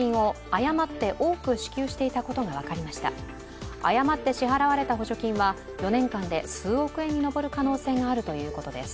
誤って支払われた補助金は４年間で数億円に上る可能性があるということです。